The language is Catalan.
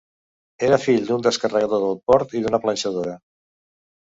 Era fill d'un descarregador del port i d'una planxadora.